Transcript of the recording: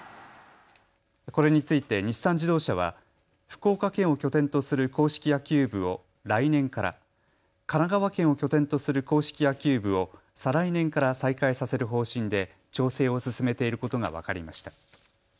これについて日産自動車は福岡県を拠点とする硬式野球部を来年から、神奈川県を拠点とする硬式野球部を再来年から再開させる方針で調整を進めていることが分かりました。